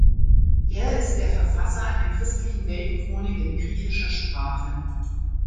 Er ist der Verfasser einer christlichen Weltchronik in griechischer Sprache.